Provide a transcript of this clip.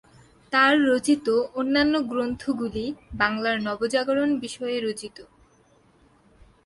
তার রচিত অন্যান্য গ্রন্থগুলি বাংলার নবজাগরণ বিষয়ে রচিত।